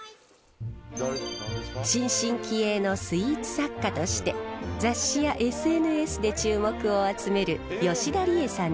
新進気鋭のスイーツ作家として雑誌やＳＮＳで注目を集める吉田理恵さんです。